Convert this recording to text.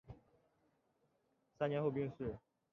三年后病逝。